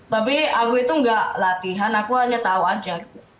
tapi aku itu nggak latihan aku hanya tahu aja